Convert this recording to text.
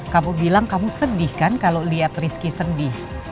kamu bilang kamu sedih kan kalau lihat rizky sedih